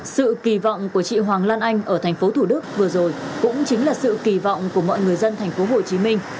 sự kỳ vọng của chị hoàng lan anh ở thành phố thủ đức vừa rồi cũng chính là sự kỳ vọng của mọi người dân thành phố hồ chí minh